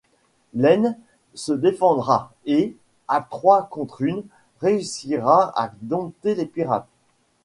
Lene se défendra et, à trois contre une, réussira à dompter les pirates.